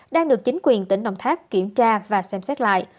đang được chính quyền tỉnh đồng tháp kiểm tra và xem xét lại